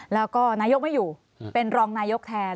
แล้วก็นายกไม่อยู่เป็นรองนายกแทน